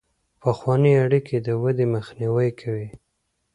پخوانۍ اړیکې د ودې مخنیوی کوي.